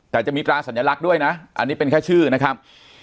แต่จะมีตราสัญลักษณ์ด้วยนะอันนี้เป็นแค่ชื่อนะครับ